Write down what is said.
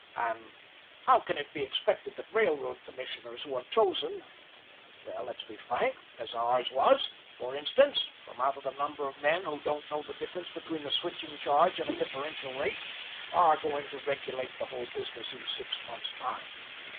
And how can it be expected that railroad commissions who are chosen well, let's be frank as ours was, for instance, from out a number of men who don't know the difference between a switching charge and a differential rate, are going to regulate the whole business in six months' time?